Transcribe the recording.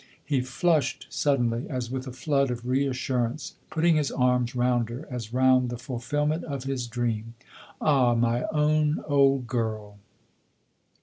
He flushed suddenly, as with a flood of reassur ance, putting his arms round her as round the fulfilment of his dream. " Ah, my own old girl